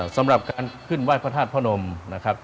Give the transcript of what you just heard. สำหรับการขึ้นไหว้พระธาตุพระนมนะครับ